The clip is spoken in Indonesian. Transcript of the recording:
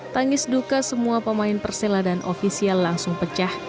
tangis duka semua pemain persela dan ofisial langsung pecah